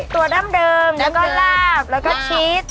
ดั้งเดิมแล้วก็ลาบแล้วก็ชีส